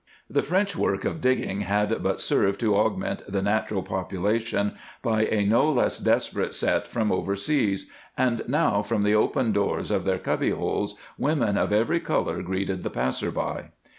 The French work of digging had but served to augment the natural population by a no less desperate set from overseas, and now from the open doors of their cubbyholes women of every color greeted the passer by.